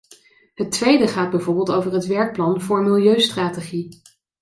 Het tweede gaat bijvoorbeeld over het werkplan voor milieustrategie...